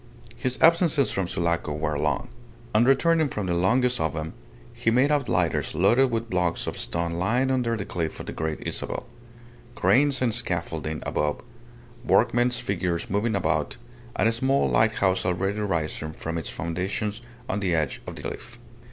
His absences from Sulaco were long. On returning from the longest of them, he made out lighters loaded with blocks of stone lying under the cliff of the Great Isabel; cranes and scaffolding above; workmen's figures moving about, and a small lighthouse already rising from its foundations on the edge of the cliff.